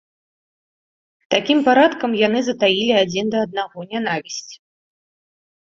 Такім парадкам яны затаілі адзін да аднаго нянавісць.